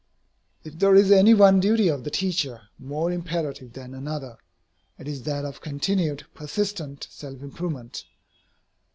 If there is any one duty of the teacher more imperative than another, it is that of continued, persistent self improvement.